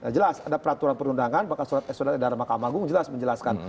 jelas ada peraturan perundangan bahkan surat edaran mahkamah agung jelas menjelaskan